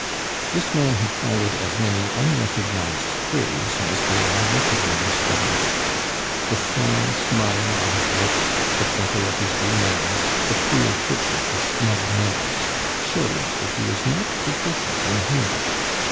This man had followed as many unrecognized trades as there are recognized ones. The sly smile on his lips, the twinkle of his green eyes, the queer twitch of his snub nose, showed that he was not deficient in humor.